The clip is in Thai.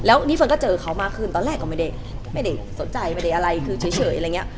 แล้วนี่เฟิร์นก็เจอเขามากขึ้นตอนแรกก็ไม่ได้สนใจไม่ได้อะไรคือเฉยอะไรอย่างนี้